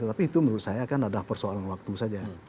tapi itu menurut saya akan adalah persoalan waktu saja